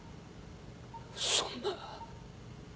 そんな。